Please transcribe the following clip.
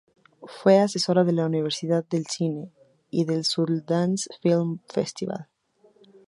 Fue asesora de la Universidad del Cine y del Sundance Film Festival.